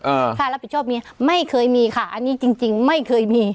อ่าค่ารับผิดชอบเมียไม่เคยมีค่ะอันนี้จริงจริงไม่เคยมี